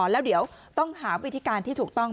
แล้วเดี๋ยวต้องหาวิธีการที่ถูกต้อง